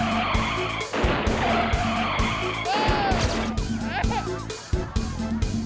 อ้อถ้าเจ้านี่พี่มันอะไรที่หลัง